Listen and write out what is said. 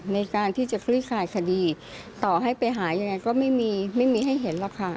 ในการที่จะคลี่คลายคดีต่อให้ไปหายังไงก็ไม่มีไม่มีให้เห็นหรอกค่ะ